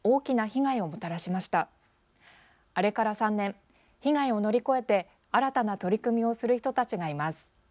被害を乗り越えて新たな取り組みをする人たちがいます。